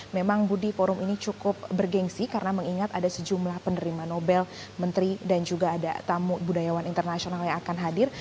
memang budi forum ini cukup bergensi karena mengingat ada sejumlah penerima nobel menteri dan juga ada tamu budayawan internasional yang akan hadir